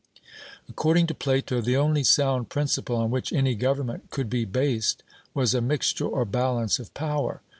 According to Plato, the only sound principle on which any government could be based was a mixture or balance of power.